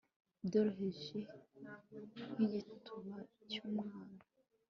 byoroheje nk'igituba cy'umwana